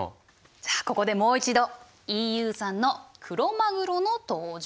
じゃあここでもう一度ＥＵ産のクロマグロの登場です。